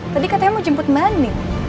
tapi katanya mau jemput mane